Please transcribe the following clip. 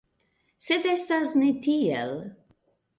Sed estas ne tiel.